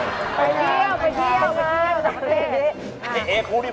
ไปเที่ยวน่ะเพื่อ